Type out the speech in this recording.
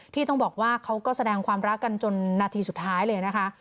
ที่ต้องบอกว่าเขาก็แสดงความรักกันจนนาทีสุดท้ายเลยนะคะ